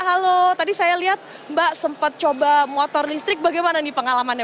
halo tadi saya lihat mbak sempat coba motor listrik bagaimana nih pengalamannya